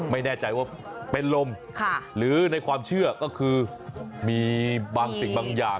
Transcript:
ไม่แน่ใจว่าเป็นลมหรือในความเชื่อก็คือมีบางสิ่งบางอย่าง